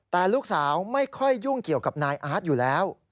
แต่ลูกสาวไม่ค่อยยุ่งเกี่ยวกับนายอาร์ตอยู่แล้ว